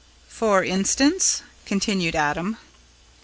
"For instance?" continued Adam.